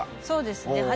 そうですね。